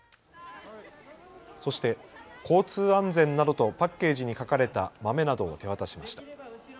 そして交通安全などとパッケージに書かれた豆などを手渡しました。